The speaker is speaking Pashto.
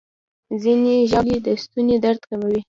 ځینې ژاولې د ستوني درد کموي.